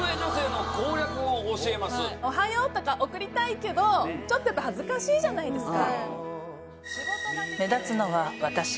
おはようとか送りたいけど恥ずかしいじゃないですか。